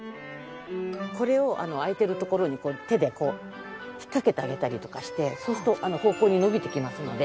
これを空いてる所に手でこう引っかけてあげたりとかしてそうすると方向に伸びてきますので。